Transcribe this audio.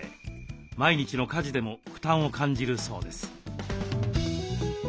毎日の家事でも負担を感じるそうです。